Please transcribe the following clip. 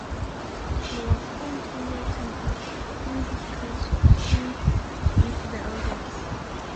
He was found in The Temple in discussion with the elders.